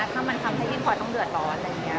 ถ้ามันทำให้พี่พลอยต้องเดือดร้อนอะไรอย่างนี้